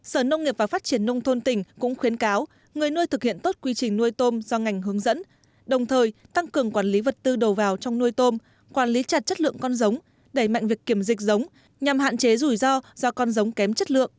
sở nông nghiệp và phát triển nông thôn tỉnh trà vinh đang tập trung nhiều giải pháp nhằm khắc phục tình trạng tôm chết hàng loạt tại các vùng nuôi tôm trọng điểm